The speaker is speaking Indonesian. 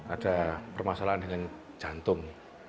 ada permasalahan dengan jantung